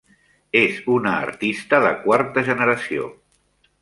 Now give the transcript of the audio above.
És una artista de quarta generació.